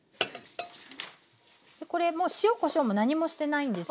これも塩こしょうも何もしてないんですね。